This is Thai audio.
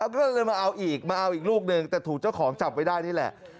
ก็เลยมาเอาอีกมาเอาอีกลูกหนึ่งแต่ถูกเจ้าของจับไว้ได้นี่แหละ